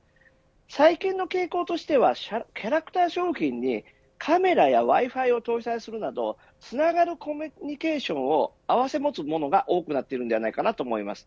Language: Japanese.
最近の傾向としてはキャラクター商品にカメラやＷｉ‐Ｆｉを搭載するなどつながるコミュニケーションを併せ持つものが多くなっているのではないかと思います。